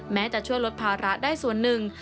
จะช่วยลดภาระได้ส่วนหนึ่ง